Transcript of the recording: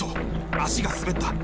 足が滑った。